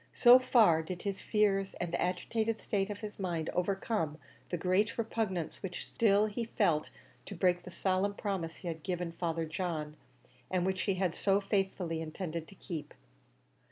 So far did his fears and the agitated state of his mind overcome the great repugnance which still he felt to break the solemn promise he had given Father John, and which he had so faithfully intended to keep.